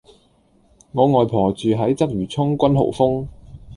我外婆住喺鰂魚涌君豪峰